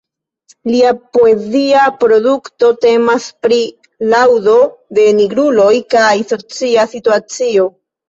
Lia poezia produkto temas pri laŭdo de "nigruloj kaj socia situacio".